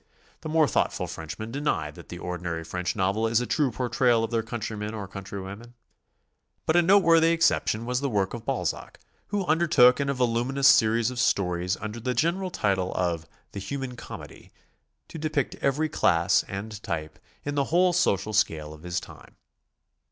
The more thoughtful Frenchmen deny that the ordinary French novel is a true portrayal of their countrymen or countrywomen. But a noteworthy exception was the work of Balzac, who undertook in a voluminous se ries of stories under the general title of "The Human Comedy," to depict every class and type in the whole social scale of his time.